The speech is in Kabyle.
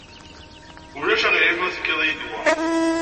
Ulac aɣilif ma tefkiḍ-iyi-d wa?